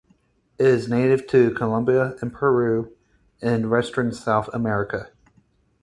It is native to Colombia and Peru in western South America.